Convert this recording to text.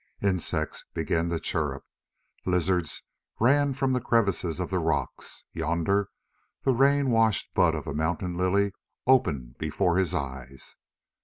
Insects began to chirrup, lizards ran from the crevices of the rocks, yonder the rain washed bud of a mountain lily opened before his eyes.